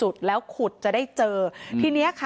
อืมแล้วก็ช่วงเย็นที่ผ่านมานะคะ